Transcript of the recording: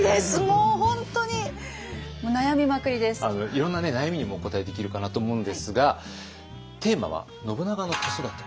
いろんな悩みにもお答えできるかなと思うのですがテーマは「信長の子育て」。